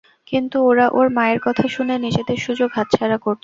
কিন্তু ওরা ওর মায়ের কথা শুনে নিজেদের সুযোগ হাতছাড়া করছে।